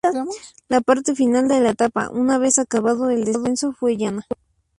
La parte final de la etapa, una vez acabado el descenso, fue llana.